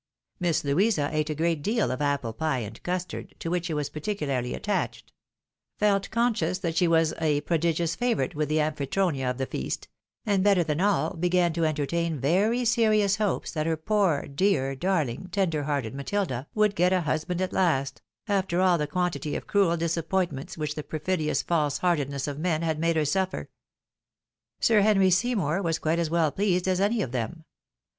Miss Louisa ate a great deal of apple pie and custard, to which she was particularly attached ; felt conscious that she was a prodigious favourite with the Amphitronia of the feast ; and, better than all, began to entertain very serious hopes that her poor, dear, darling, tender hearted Matilda would get a husband at last, after all the quantity of cruel disappointments which the perfidious false heartedness of men had made her suffer._ Sir Henry Seymour was quite as well pleased as any of them.